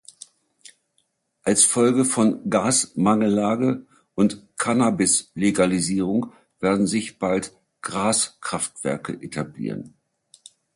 Als Folge von Gasmangellage und Cannabis-Legalisierung werden sich bald Graskraftwerke etablieren.